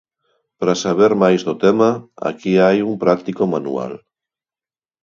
Para saber máis do tema, aquí hai un práctico manual.